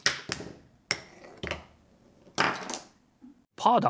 パーだ！